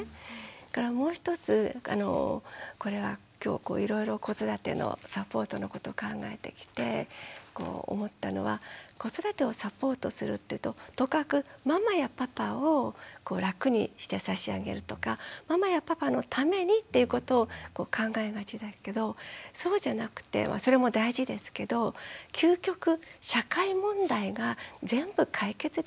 それからもう一つこれは今日いろいろ子育てのサポートのことを考えてきて思ったのは子育てをサポートするっていうととかくママやパパを楽にして差し上げるとかママやパパのためにっていうことを考えがちだけどそうじゃなくてそれも大事ですけど究極社会問題が全部解決できる。